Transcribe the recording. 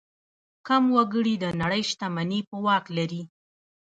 کم وګړي د نړۍ شتمني په واک لري.